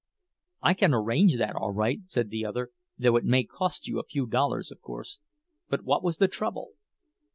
"I can arrange that all right," said the other—"though it may cost you a few dollars, of course. But what was the trouble?"